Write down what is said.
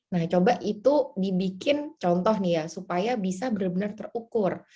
nah coba itu dibikin contoh nih ya supaya bisa benar benar terukur